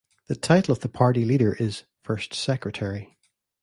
The title of the party leader is First Secretary.